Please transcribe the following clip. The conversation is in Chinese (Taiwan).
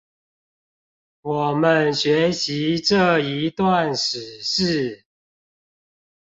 我們學習這一段史事